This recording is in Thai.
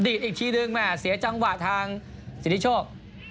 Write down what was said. ดีดอีกทีนึงแม่เสียจังหวะทางสิทธิชก